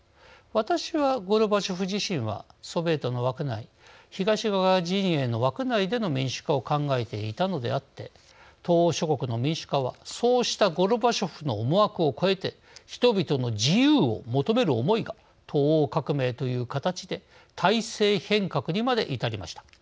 私は、ゴルバチョフ自身はソビエトの枠内東側陣営の枠内での民主化を考えていたのであって東欧諸国の民主化はそうしたゴルバチョフの思惑を越えて人々の自由を求める思いが東欧革命という形で体制変革にまで至りました。